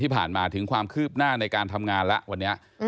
ที่ผ่านมาถึงความคืบหน้าในการทำงานแล้ววันนี้